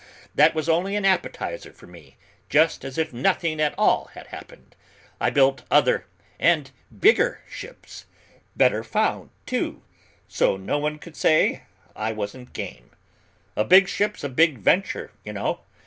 That was only an appetizer for me, just as if nothing at all had happened. I built other and bigger ships, better found, too, so no one could say I wasn't game. A big ship's a big venture, you know.